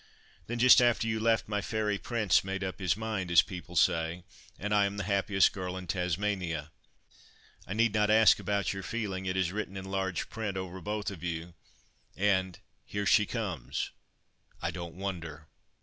Then, just after you left, my fairy prince 'made up his mind,' as people say, and I am the happiest girl in Tasmania. I need not ask about your feeling—it is written in large print over both of you, and—here she comes! I don't wonder."